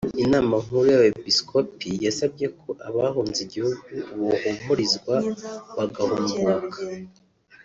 Inama nkuru y’Abepiskopi yasabye ko abahunze igihugu bohumurizwa bagahunguka